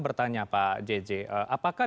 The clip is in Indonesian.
bertanya pak jj apakah